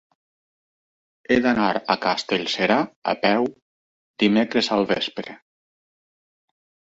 He d'anar a Castellserà a peu dimecres al vespre.